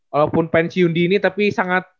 walaupun pensiun dia ini tapi sangat